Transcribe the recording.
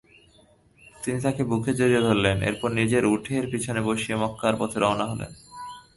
তিনি তাকে বুকে জড়িয়ে ধরলেন এরপর নিজের উটের পেছনে বসিয়ে মক্কার পথে রওয়ানা হলেন।